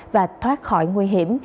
và thoát khỏi nguy hiểm